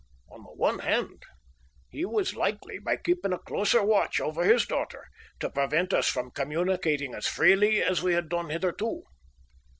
On the one hand he was likely, by keeping a closer watch over his daughter, to prevent us from communicating as freely as we had done hitherto.